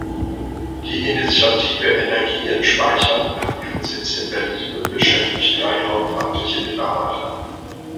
Die Initiative Energien Speichern hat ihren Sitz in Berlin und beschäftigt drei hauptamtliche Mitarbeiter.